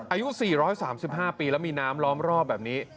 อายุ๔๓๕ปีแล้วมีน้ำล้อมรอบแบบนี้